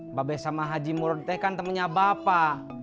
mbak abe sama haji murud teh kan temennya bapak